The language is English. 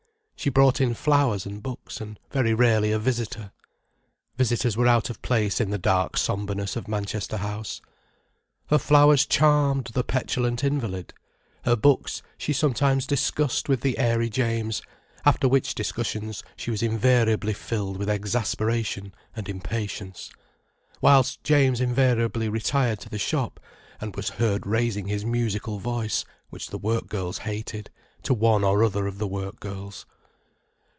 She brought in flowers and books, and, very rarely, a visitor. Visitors were out of place in the dark sombreness of Manchester House. Her flowers charmed the petulant invalid, her books she sometimes discussed with the airy James: after which discussions she was invariably filled with exasperation and impatience, whilst James invariably retired to the shop, and was heard raising his musical voice, which the work girls hated, to one or other of the work girls.